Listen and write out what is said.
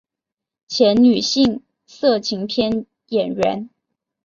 前女性色情片演员。